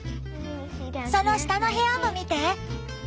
その下の部屋も見て。